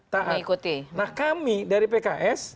taat nah kami dari pks